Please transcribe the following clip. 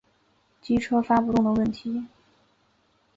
机车发不动的问题